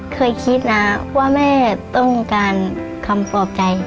เคยคิดนะว่าแม่ต้องการคำปลอบใจ